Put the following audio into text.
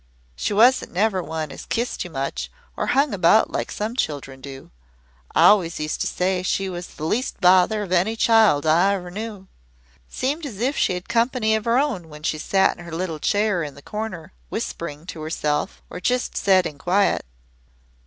"She wasn't never one as kissed you much or hung about like some children do I always used to say she was the least bother of any child I ever knew. Seemed as if she had company of her own when she sat in her little chair in the corner whispering to herself or just setting quiet."